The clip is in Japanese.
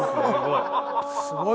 すごい。